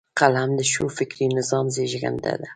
قلم د ښو فکري نظام زیږنده ده